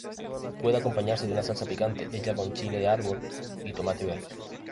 Puede acompañarse de una salsa picante hecha con chile de árbol y tomate verde.